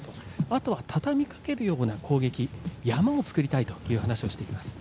あとはたたみかけるような攻撃山を作りたいという話をしていました。